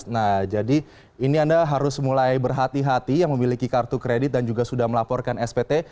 nah jadi ini anda harus mulai berhati hati yang memiliki kartu kredit dan juga sudah melaporkan spt